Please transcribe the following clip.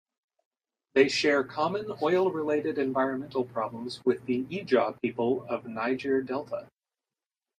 They share common oil-related environmental problems with the Ijaw people of Niger Delta.